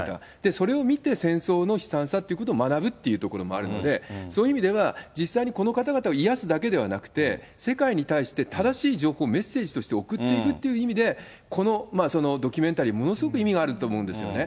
それを見て戦争の悲惨さっていうことを学ぶっていうところもあるので、そういう意味では実際にこの方々を癒やすだけではなくて、世界に対して正しい情報をメッセージとして送っていくという意味で、このドキュメンタリー、ものすごく意味があると思うんですよね。